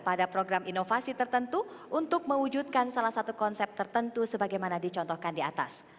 pada program inovasi tertentu untuk mewujudkan salah satu konsep tertentu sebagaimana dicontohkan di atas